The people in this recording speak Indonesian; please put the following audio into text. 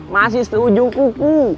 masih setuju kuku